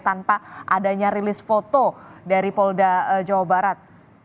tanpa adanya rilis foto dari polda jawa barat